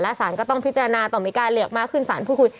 แล้วศาลก็ต้องพิจารณาต่อมีการเรียกมาขึ้นศาลผู้คุย